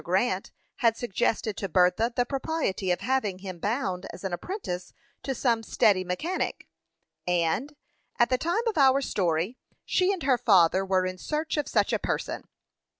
Grant had suggested to Bertha the propriety of having him bound as an apprentice to some steady mechanic; and, at the time of our story, she and her father were in search of such a person.